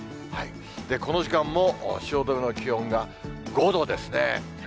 この時間も、汐留の気温が５度ですね。